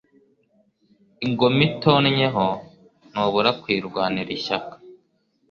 Ingoma utonnyeho ntubura kuyirwanira ishyaka.